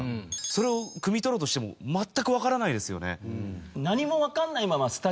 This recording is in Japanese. それをくみ取ろうとしても全くわからないですよね。